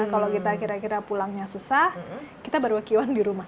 kalau kita kira kira pulangnya susah kita baru aquan di rumah